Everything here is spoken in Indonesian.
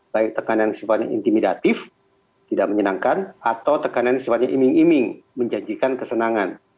baik tekanan sifatnya intimidatif tidak menyenangkan atau tekanan yang sifatnya iming iming menjanjikan kesenangan